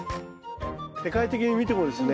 世界的に見てもですね